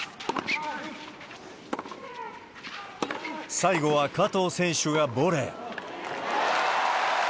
最後は加藤選手がボレー。